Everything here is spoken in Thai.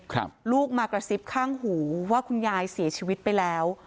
ลูกมากระซิบข้างหูว่าคุณยายเสียชีวิตไปแล้ว